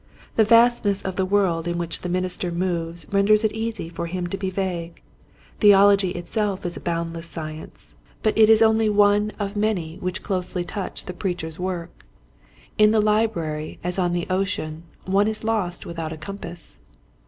The vastness of the world in which the minister moves renders it easy for him to be vague. Theology itself is a boundless science, but it is only TJu Value of a Target, 85 one of many which closely touch the preacher's work. In the library as on the ocean one is lost without a compass.